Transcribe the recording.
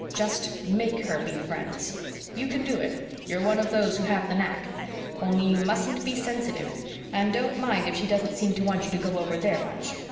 Just MAKE her be friends you can do it you're one of those who have the knack. Only you mustn't be sensitive. And don't mind if she doesn't seem to want you to go over there much.